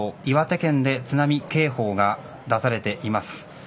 岩手県で津波警報が出されています。